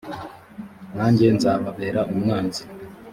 nanjye nzababera umwanzi